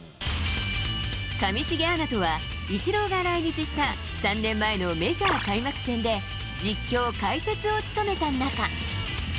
上重アナとは、イチローが来日した３年前のメジャー開幕戦で、実況、解説を務めた仲。